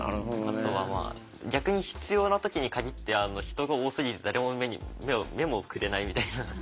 あとは逆に必要な時に限って人が多すぎて誰も目もくれないみたいな。